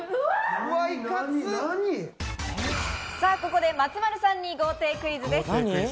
ここで松丸さんに豪邸クイズです。